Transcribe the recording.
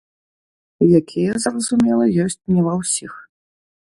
Якія, зразумела, ёсць не ва ўсіх.